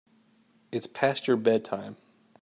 It's past your bedtime.